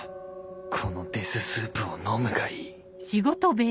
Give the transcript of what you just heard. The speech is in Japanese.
このデス・スープを飲むがいい